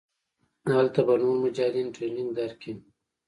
هلته به نور مجاهدين ټرېننګ دركي.